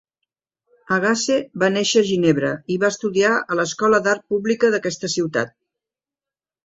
Agasse va néixer a Ginebra i va estudiar a l'escola d'art pública d'aquesta ciutat.